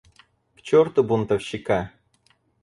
К чёрту бунтовщика!